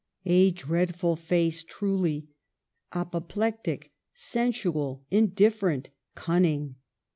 A dreadful face truly, — apoplectic, sensual, indifferent, cunning.